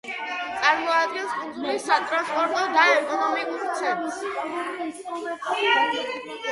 წარმოადგენს კუნძულის სატრანსპორტო და ეკონომიკური ცენტრს.